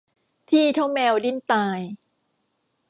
ที่เท่าแมวดิ้นตาย